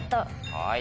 はい。